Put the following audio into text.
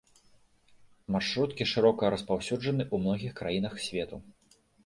Маршруткі шырока распаўсюджаны ў многіх краінах свету.